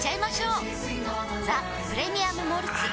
「ザ・プレミアム・モルツ」あー